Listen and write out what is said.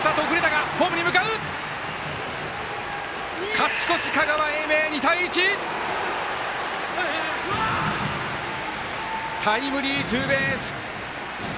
勝ち越し香川・英明、２対１！タイムリーツーベース！